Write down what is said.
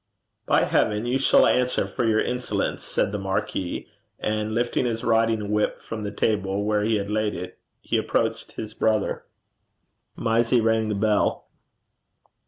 'By God, you shall answer for your damned insolence,' said the marquis, and, lifting his riding whip from the table where he had laid it, he approached his brother. Mysie rang the bell.